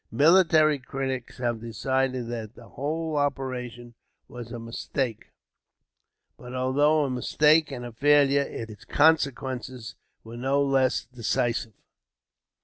Military critics have decided that the whole operation was a mistake; but although a mistake and a failure, its consequences were no less decisive.